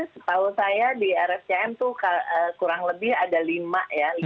setahu saya di rscm itu kurang lebih ada lima ya